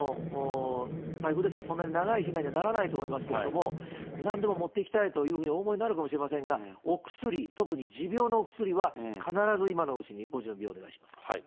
台風ですから、そんなに長い避難にはならないと思いますけれども、なんでも持っていきたいというふうにお思いになると思いますが、お薬、特に持病のお薬は必ず今のうちにご準備をお願いします。